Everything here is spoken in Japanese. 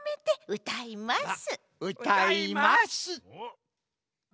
うたいます！